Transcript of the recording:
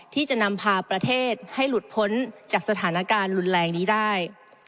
ที่จะนำพาประเทศให้หลุดพ้นจากสถานการณ์รุนแรงนี้ได้